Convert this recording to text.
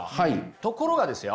ところがですよ